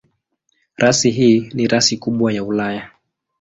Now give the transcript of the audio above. Rasi hii ni rasi kubwa ya Ulaya.